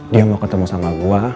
dia mau ketemu sama gue